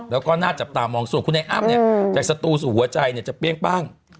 แล้วก็หน้าจับตามองส่วนคุณแอ๊บแต่ศัตรูสู่หัวใจจะเปรี้ยงบ้าง